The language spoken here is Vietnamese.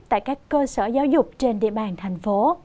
tại các cơ sở giáo dục trên địa bàn thành phố